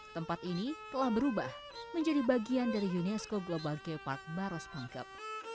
tempat ini telah berubah menjadi bagian dari unesco global k park baros pangkep